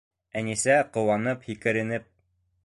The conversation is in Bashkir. Әнисә, ҡыуанып, һикеренеп: